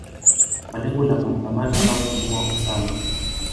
kwa lengo la kumkamata au kumuua Osama